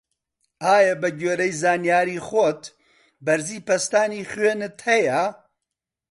ئایا بە گوێرەی زانیاری خۆت بەرزی پەستانی خوێنت هەیە؟